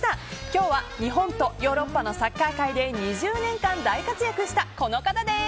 今日は日本とヨーロッパのサッカー界で２０年間、大活躍したこの方です。